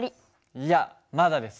いやまだです。